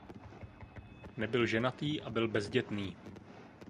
Nebyl ženatý a byl bezdětný..